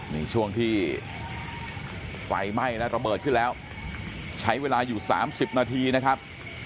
นี่ช่วงที่ไฟไหม้แล้วระเบิดขึ้นแล้วใช้เวลาอยู่๓๐นาทีนะครับ